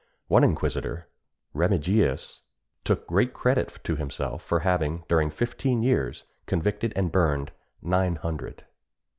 One inquisitor, Remigius, took great credit to himself for having, during fifteen years, convicted and burned nine hundred.